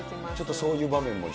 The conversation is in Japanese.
そういう場面も。